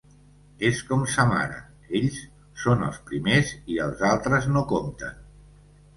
És com sa mare, ells són els primers i els altres no compten.